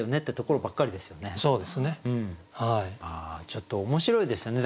ちょっと面白いですよね。